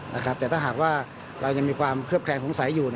แต่ถ้าหากว่าเรายังมีความเคลือบแคลงสงสัยอยู่